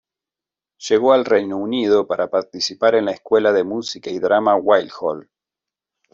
Llegó al Reino Unido para participar en la escuela de música y drama Guildhall.